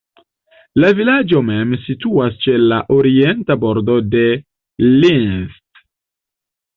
La vilaĝo mem situas ĉe la orienta bordo de Linth.